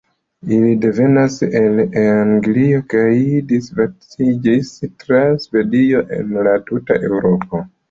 Ili devenas el Anglio kaj disvastiĝis tra Svedio en la tuta Eŭropo.